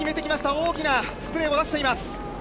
大きなスプレーも出しています。